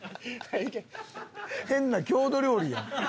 変な郷土料理やん。